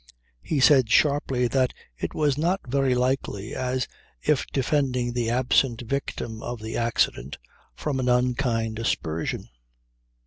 He said sharply that it was not very likely, as if defending the absent victim of the accident from an unkind aspersion.